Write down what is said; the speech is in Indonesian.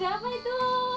wek ada apa itu